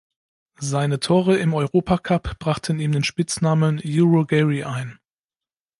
Seine Tore im Europacup brachten ihm den Spitznamen "Euro Gerry" ein.